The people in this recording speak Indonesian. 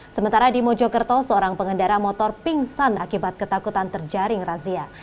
sementara di mojokerto seorang pengendara motor pingsan akibat ketakutan terjaring razia